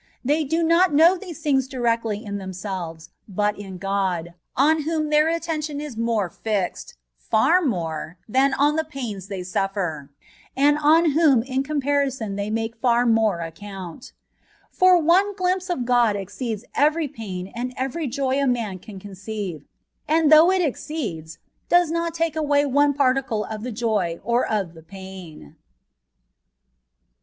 They do not know these things directly in themselves, but in God, on whom their attention is more fixed A TREATISE ON PURGATORY. 21 — ^far more — ^than on the pains they suffer, and of whom in comparison they make far more account. For one glimpse of God exceeds every pain and every Joy a man can conceive, and though it ex ceeds, does not take away one particle of the Joy or of the pain.